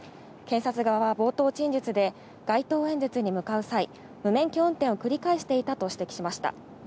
検察側は冒頭陳述で街頭演説に向かう際、無免許運転を繰り返していたと指摘しました。